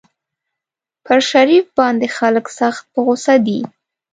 پر شریف باندې خلک سخت په غوسه دي.